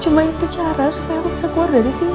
cuma itu cara supaya aku bisa keluar dari sini